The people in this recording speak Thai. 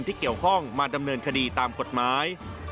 ที่เกี่ยวข้องมาดำเนินคดีตามกฎหมาย